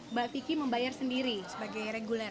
mbak vicky membayar sendiri sebagai reguler